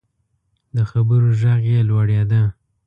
د خبرو غږ یې لوړیده.